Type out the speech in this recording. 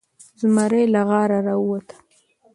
زمری له غاره راووته.